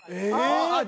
あっ。